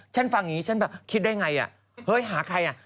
ฉันฟังอยู่ฉันแบบคิดได้ไงหาใครอ่ะ